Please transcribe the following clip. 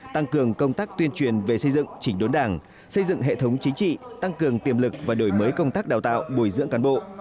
tăng cường công tác tuyên truyền về xây dựng chỉnh đốn đảng xây dựng hệ thống chính trị tăng cường tiềm lực và đổi mới công tác đào tạo bồi dưỡng cán bộ